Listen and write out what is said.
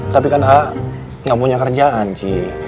tapi kan a'at nggak punya kerjaan ci